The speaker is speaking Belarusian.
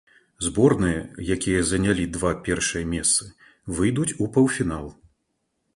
Зборныя, якія занялі два першыя месцы, выйдуць у паўфінал.